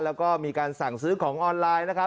แล้วก็มีการสั่งซื้อของออนไลน์นะครับ